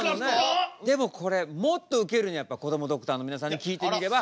でもこれもっとウケるにはやっぱこどもドクターの皆さんに聞いてみれば。